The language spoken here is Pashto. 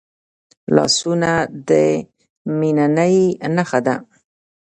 لاسونه د میننې نښه ده